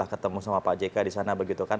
ketemu sama pak jk di sana begitu kan